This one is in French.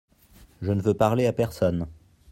Je ne veux parler à personne.